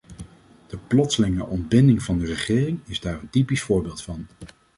De plotselinge ontbinding van de regering is daar een typisch voorbeeld van.